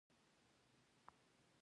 ځینې وختونه دا سل درجو ته هم رسيدلی شي